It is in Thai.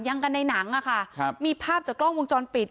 ยังกันในหนังอ่ะค่ะครับมีภาพจากกล้องวงจรปิด